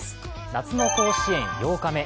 夏の甲子園８日目。